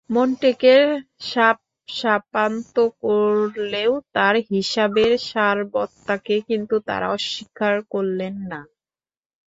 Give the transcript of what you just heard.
মন্টেকের শাপশাপান্ত করলেও তাঁর হিসাবের সারবত্তাকে কিন্তু তাঁরা অস্বীকার করলেন না।